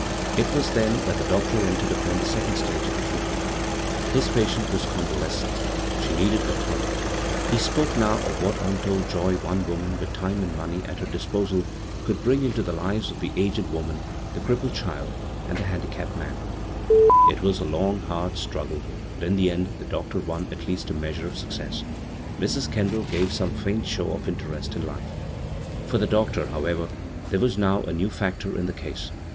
It was then that the doctor entered upon the second stage of the treatment His patient was convalescent : she needed a tonic — he spoke now of what untold Joy one woman with time and money at her dis posal could bring into the lives of the aged woman, the crippled child, and the handi* capped man. b, Google CROSS CURRENTS It was a long, hard struggle, but in the end the doctor won at least a measure of success — Mrs. Kendall gave some faint show of in terest in life. For the doctor, however, there was now a new factor in the case.